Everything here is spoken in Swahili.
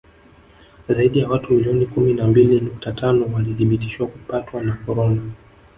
Zaidi ya watu milioni kumi na mbili nukta tano walithibitishwa kupatwa na korona